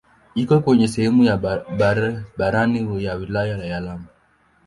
Iko kwenye sehemu ya barani ya wilaya ya Lamu.